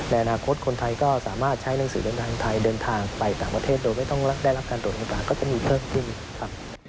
ในอนาคตคนไทยก็สามารถใช้หนังสือเดินทางไทยเดินทางไปต่างประเทศโดยไม่ต้องได้รับการตรวจโอกาสก็จะมีเพิ่มขึ้นครับ